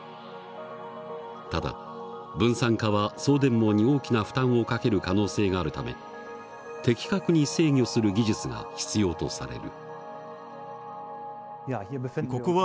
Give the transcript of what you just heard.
ただ分散化は送電網に大きな負担をかける可能性があるため的確に制御する技術が必要とされる。